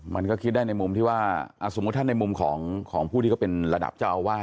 มันก็คิดได้ในมุมที่ว่าสมมุติถ้าในมุมของผู้ที่เขาเป็นระดับเจ้าอาวาส